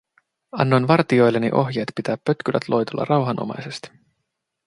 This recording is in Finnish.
Annoin vartijoilleni ohjeet pitää pötkylät loitolla rauhanomaisesti.